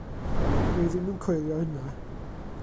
Dw i ddim yn coelio hynna.